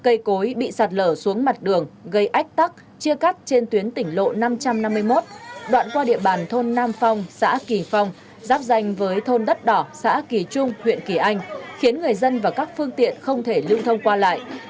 cây cối bị sạt lở xuống mặt đường gây ách tắc chia cắt trên tuyến tỉnh lộ năm trăm năm mươi một đoạn qua địa bàn thôn nam phong xã kỳ phong giáp danh với thôn đất đỏ xã kỳ trung huyện kỳ anh khiến người dân và các phương tiện không thể lưu thông qua lại